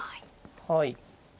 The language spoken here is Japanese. はい。